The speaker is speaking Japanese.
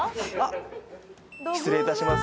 失礼いたします